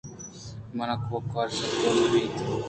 من ءَ کپودر سک دوست بیت۔